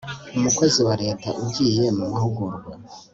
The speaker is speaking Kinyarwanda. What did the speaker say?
umukozi wa leta ugiye mu mahugurwa